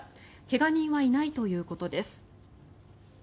怪我人はいないということです。